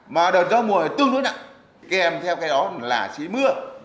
một đợt gió mùa tương đối nặng kèm theo cái đó là xí mưa